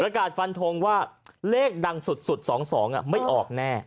อากาศฟันทงว่าเลขดังสุด๒๒ไม่ออกแน่